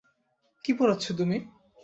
কী পোড়াচ্ছো তুমি?